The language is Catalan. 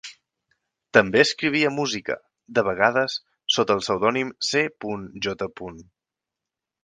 També escrivia música, de vegades sota el pseudònim C. J.